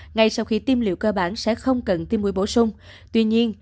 ngay sau khi tiêm liều cơ bản sẽ không cần tiêm mũi bổ sung